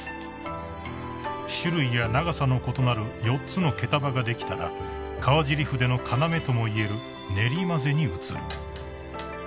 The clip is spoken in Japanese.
［種類や長さの異なる４つの毛束ができたら川尻筆の要とも言える練り混ぜに移る］